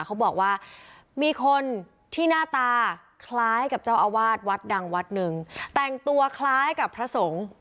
เขาบอกว่ามีคนที่หน้าตาคล้ายกับเจ้าอาวาสวัดดังวัดหนึ่งแต่งตัวคล้ายกับพระสงฆ์